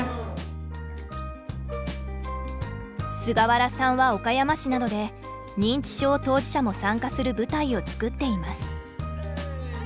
菅原さんは岡山市などで認知症当事者も参加する舞台を作っています。